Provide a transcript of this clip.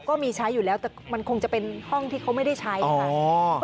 ก็มีใช้อยู่แล้วแต่มันคงจะเป็นห้องที่เขาไม่ได้ใช้ค่ะ